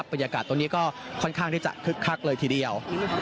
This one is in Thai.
บรรยากาศตรงนี้ก็ค่อนข้างที่จะคึกคักเลยทีเดียว